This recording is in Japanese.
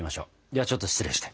ではちょっと失礼して。